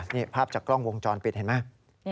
นี่ภาพจากกล้องวงจรปิดเห็นไหม